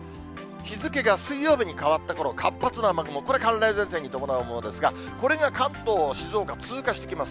日付が水曜日に変わったころ、活発な雨雲、これ、寒冷前線に伴うものですが、これが関東、静岡、通過してきます。